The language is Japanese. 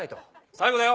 最後だよ。